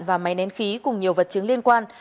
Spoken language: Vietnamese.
và máy nén khí cùng nhiều vật chứng liên quan